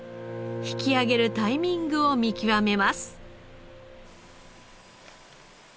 引き上げるタイミングを見極めます。